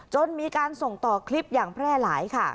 จนมีการส่งต่อคลิปอย่างแพร่หลายค่ะ